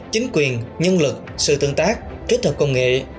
chính quyền nhân lực sự tương tác kết hợp công nghệ